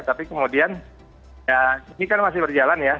tapi kemudian ya ini kan masih berjalan ya